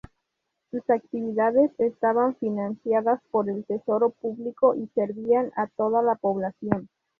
Sus actividades estaban financiadas por el tesoro público y servían a toda la población.